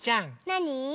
なに？